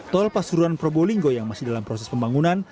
tol pasuruan probolinggo yang masih dalam proses pembangunan